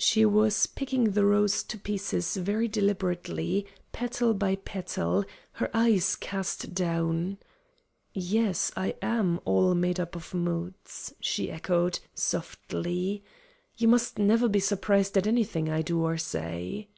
She was picking the rose to pieces very deliberately, petal by petal, her eyes cast down. "Yes, I'm all made up of moods," she echoed, softly. "You must never be surprised at anything I do or say."